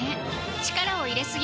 力を入れすぎない